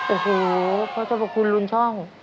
โอ้โหพระเจ้าพระคุณรุนช่อง